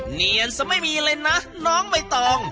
เนียนซะไม่มีเลยนะน้องใบตอง